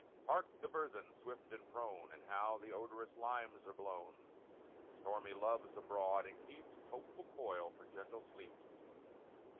Hark! the burthen, swift and prone! And how the odorous limes are blown! Stormy Love's abroad, and keeps Hopeful coil for gentle sleeps.